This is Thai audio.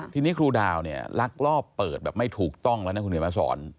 ทีนี้ครูดาวเนี่ยลักลอบเปิดแบบไม่ถูกต้องแล้วนะคุณเขียนมาสอน